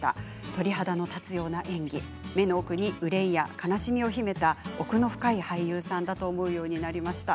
鳥肌の立つような演技目の奥にうれいや悲しみを秘めた奥の深い俳優さんだと思うようになりました。